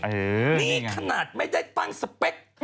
นี่ขนาดไม่ได้ตั้งสเปค